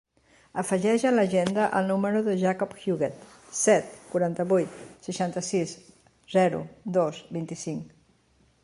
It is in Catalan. Afegeix a l'agenda el número del Jacob Huguet: set, quaranta-vuit, seixanta-sis, zero, dos, vint-i-cinc.